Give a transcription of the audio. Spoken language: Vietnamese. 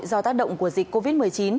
do tác động của dịch covid một mươi chín